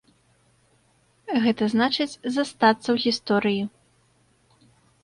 Гэта значыць, застацца ў гісторыі.